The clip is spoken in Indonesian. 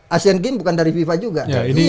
asean games bukan dari fifa juga